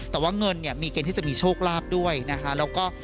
แต่ว่าเงินมีเกณฑ์ที่จะมีโชคลาภด้วยนะคะ